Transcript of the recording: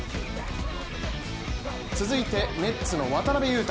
続いてネッツの渡邊雄太。